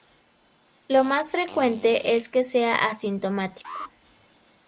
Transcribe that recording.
Lo más frecuente es que sea asintomático.